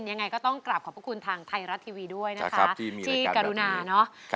ยังไงก็ต้องกลับขอบพระคุณทางไทยรัฐทีวีด้วยนะคะที่กรุณาเนาะ